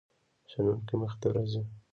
شنونکو مخې ته راځي.